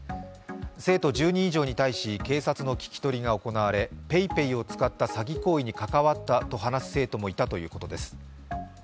生徒１０人以上に対し警察の聞き取りが行われ、ＰａｙＰａｙを使った詐欺行為に関わったと話す生徒もいたということです。